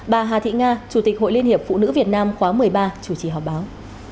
bà hà thị nga chủ tịch hội liên hiệp phụ nữ việt nam khóa một mươi ba chủ trì họp báo